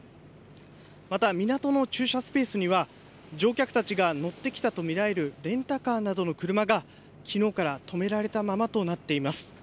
また港の駐車スペースには乗客たちが乗ってきたと見られるレンタカーなどの車がきのうから止められたままとなっています。